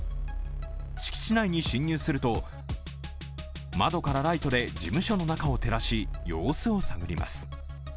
敷地内に侵入すると、窓からライトで事務所の中を照らし、様子を探ります。